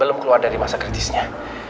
belum keluar dari masa kritisnya